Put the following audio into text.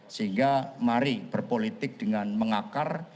sehingga mari berpolitik dengan mengakar